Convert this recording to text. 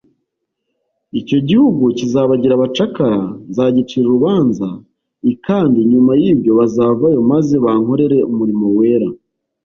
icyo gihugu kizabagira abacakara nzagicira urubanza i kandi nyuma y ibyo bazavayo maze bankorere umurimo wera